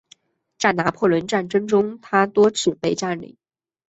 在拿破仑战争中它多次被占领。